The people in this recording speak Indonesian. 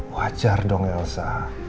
wajar dong elsa